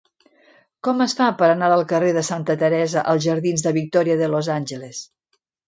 Com es fa per anar del carrer de Santa Teresa als jardins de Victoria de los Ángeles?